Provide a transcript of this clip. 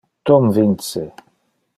Tom vince.